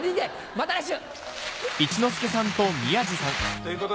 また来週！